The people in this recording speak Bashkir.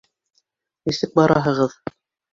Нисек бараһығыҙ?!